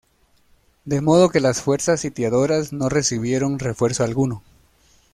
De modo que las fuerzas sitiadoras no recibieron refuerzo alguno.